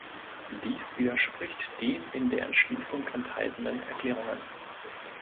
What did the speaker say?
Dies widerspricht den in der Entschließung enthaltenen Erklärungen.